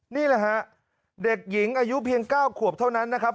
นี่แหละฮะเด็กหญิงอายุเพียง๙ขวบเท่านั้นนะครับ